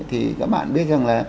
thì các bạn biết rằng là